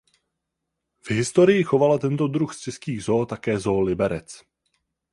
V historii chovala tento druh z českých zoo také Zoo Liberec.